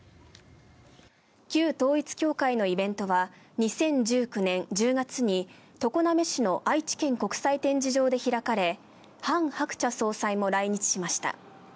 旧統一教会のイベントは２０１９年１０月に常滑市の愛知県国際展示場で開かれハン・ハクチャ総裁も来日しました。